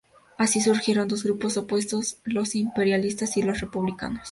Así surgieron dos grupos opuestos: los imperialistas y los republicanos.